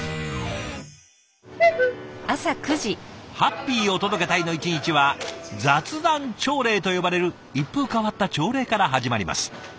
ハッピーお届け隊の一日は雑談朝礼と呼ばれる一風変わった朝礼から始まります。